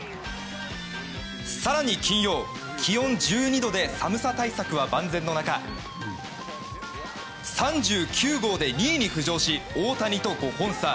更に金曜、気温１２度で寒さ対策は万全の中３９号で２位に浮上し大谷と５本差。